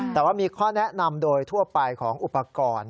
แต่ว่ามีข้อแนะนำโดยทั่วไปของอุปกรณ์